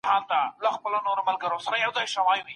له ځان سره د یو ملګري په څېر اوسئ.